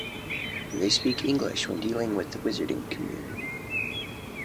They speak English when dealing with the wizarding community.